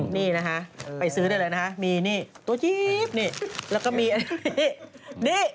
นี่นะฮะไปซื้อได้เลยนะคะมีนี่ตัวจี๊บนี่แล้วก็มีอันนี้นี่